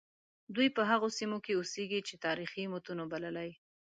دوی په هغو سیمو کې اوسیږي چې تاریخي متونو بللي.